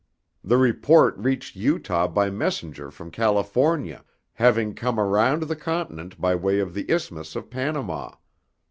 The report reached Utah by messenger from California, having come around the continent by way of the Isthmus of Panama.